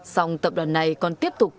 xong tập đoàn này còn tiếp tục